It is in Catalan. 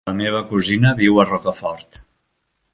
La meva cosina viu a Rocafort.